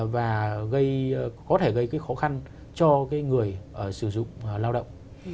và có thể gây cái khó khăn cho cái bảo hiểm xã hội